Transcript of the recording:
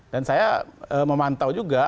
dan saya memantau juga